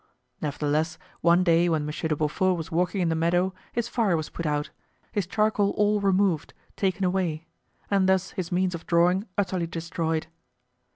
Nevertheless, one day when Monsieur de Beaufort was walking in the meadow his fire was put out, his charcoal all removed, taken away; and thus his means of drawing utterly destroyed.